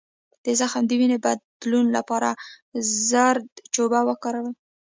د زخم د وینې بندولو لپاره زردچوبه وکاروئ